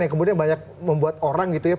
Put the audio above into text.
yang kemudian banyak membuat orang gitu ya